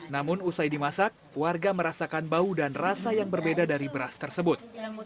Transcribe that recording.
namun usai dimasak warga merasakan bau dan rasa yang berbeda dari beras tersebut